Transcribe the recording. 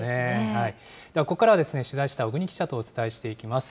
ここからは取材した小國記者とお伝えしていきます。